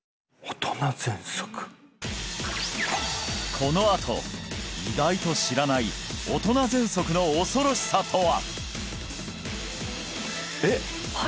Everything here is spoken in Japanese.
このあと意外と知らない大人喘息の恐ろしさとは？